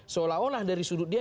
seolah olah dari sudut dia